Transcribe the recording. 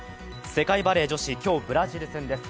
世界バレー女子、今日、ブラジル戦です。